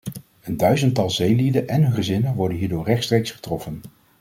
Een duizendtal zeelieden en hun gezinnen worden hierdoor rechtstreeks getroffen.